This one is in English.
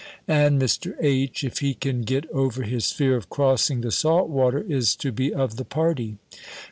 And Mr. H. if he can get over his fear of crossing the salt water, is to be of the party.